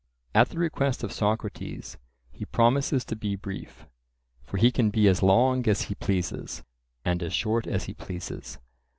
At the request of Socrates he promises to be brief; for "he can be as long as he pleases, and as short as he pleases."